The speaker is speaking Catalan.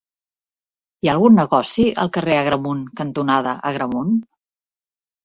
Hi ha algun negoci al carrer Agramunt cantonada Agramunt?